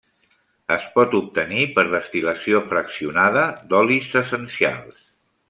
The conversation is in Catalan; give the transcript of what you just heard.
Es pot obtenir per destil·lació fraccionada d'olis essencials.